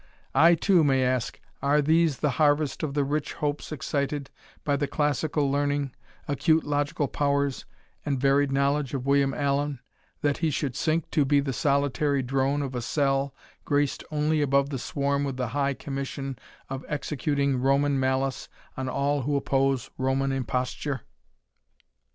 I, too, may ask, are these the harvest of the rich hopes excited by the classical learning, acute logical powers, and varied knowledge of William Allan, that he should sink to be the solitary drone of a cell, graced only above the swarm with the high commission of executing Roman malice on all who oppose Roman imposture?"